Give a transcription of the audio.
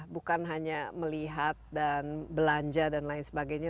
bukan hanya melihat dan belanja dan lain sebagainya